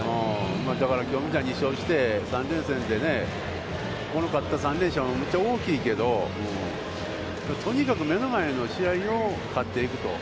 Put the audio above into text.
だから、きょうみたいに２勝して３連戦で、この勝ったら３連勝は大きいけど、とにかく目の前の試合を勝って行くと。